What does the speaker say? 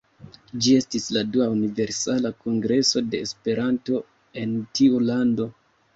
Ĝi estis la dua Universala Kongreso de Esperanto en tiu lando.